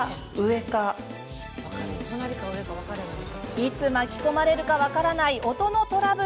いつ巻き込まれるか分からない音のトラブル。